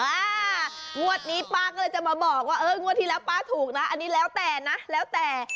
งวดนี้ป้าก็เลยจะมาบอกว่าเอองวดที่แล้วป้าถูกนะอันนี้แล้วแต่นะแล้วแต่